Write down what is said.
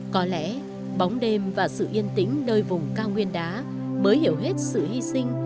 có lẽ bóng đêm và sự yên tĩnh nơi vùng cao nguyên đá mới hiểu hết sự hy sinh